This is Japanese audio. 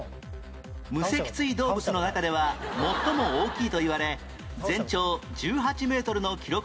無脊椎動物の中では最も大きいといわれ全長１８メートルの記録も残る